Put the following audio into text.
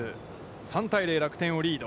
３対０楽天をリード。